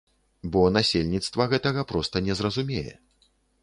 Бо насельніцтва гэтага проста не зразумее.